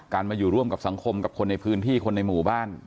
มาอยู่ร่วมกับสังคมกับคนในพื้นที่คนในหมู่บ้าน